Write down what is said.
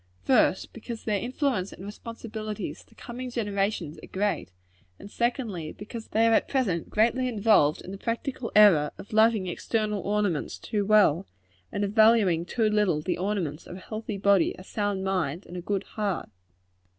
First, because their influence and responsibilities to coming generations are great, and, secondly, because they are at present greatly involved in the practical error of loving external ornaments too well, and of valuing too little the ornaments of a healthy body, a sound mind, and a good heart.